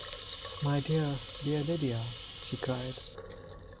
“My dear, dear Lydia!” she cried.